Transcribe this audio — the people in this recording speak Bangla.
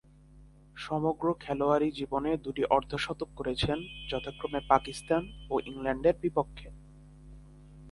সমগ্র খেলোয়াড়ী জীবনে দু'টি অর্ধ-শতক করেছেন যথাক্রমে পাকিস্তান ও ইংল্যান্ডের বিপক্ষে।